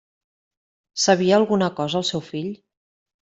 Sabia alguna cosa el seu fill?